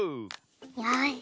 よし。